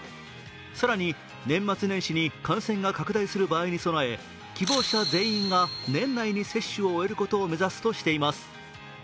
更に年末年始に感染が拡大する場合に備え希望者全員が年内に接種を終えることを目指すとしています。